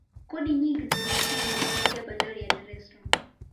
kodi nyingi zinakusanywa kupitia bandari ya dar es salaam